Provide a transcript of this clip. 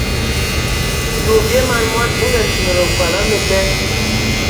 Ye o bie man mɔn, o nga tindi nkol a məbɛ.